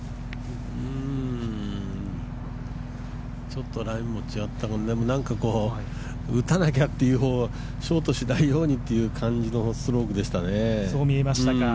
ちょっとラインも違ったなんかちょっと、打たなきゃという、ショートしないようにという感じのストロークでしたね。